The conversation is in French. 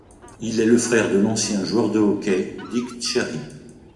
Il est le frère de l'ancien joueur de hockey Dick Cherry.